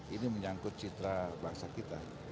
ini menyangkut citra bangsa kita